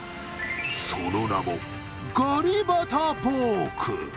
その名もガリバタポーク。